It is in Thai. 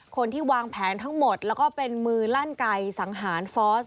คนที่วางแผนทั้งหมดแล้วก็เป็นมือลั่นไก่สังหารฟอส